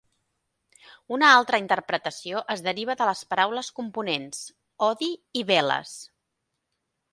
Una altra interpretació es deriva de les paraules components: "odi" i "velas".